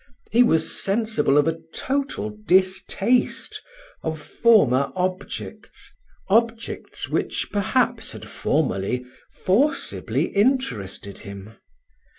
He was sensible of a total distaste of former objects objects which, perhaps, had formerly forcibly interested him.